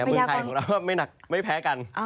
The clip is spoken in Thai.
เมืองไทยของเราไม่แพ้กัน